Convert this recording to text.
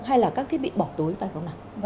hay là các thiết bị bỏ tối phải không ạ